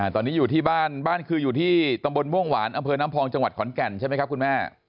ตอนนี้อยู่ที่บ้านบ้านคืออยู่ที่ตำบลม่วงหวานอำเภอน้ำพองจังหวัดขอนแก่นใช่ไหมครับคุณแม่